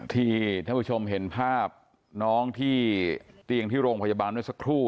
ที่ท่านผู้ชมเห็นภาพน้องที่เตียงที่โรงพยาบาลเมื่อสักครู่